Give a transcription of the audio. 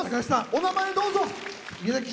お名前をどうぞ。